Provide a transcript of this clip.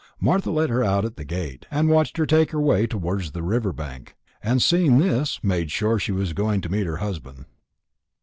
Martha let her out at the gate, and watched her take the way towards the river bank, and, seeing this, made sure she was going to meet her husband.